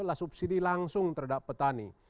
adalah subsidi langsung terhadap petani